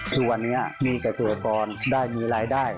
ทุกวันนี้มีเกษตรกรได้มีรายได้